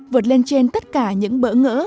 vượt lên trên tất cả những bỡ ngỡ